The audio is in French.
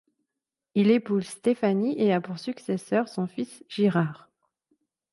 Il épouse Stéphanie et a pour successeur son fils Girard.